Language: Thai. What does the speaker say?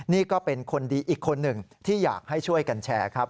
นี่ก็เป็นคนดีอีกคนหนึ่งที่อยากให้ช่วยกันแชร์ครับ